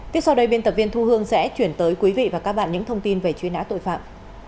tiếp sau đây biên tập viên thu hương sẽ chuyển tới quý vị và các bạn những thông tin về truy nã tội phạm